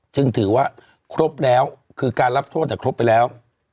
จึงถือว่าครบแล้วคือการรับโทษครบไปแล้ว